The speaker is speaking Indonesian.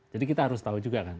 jadi kita harus tahu juga kan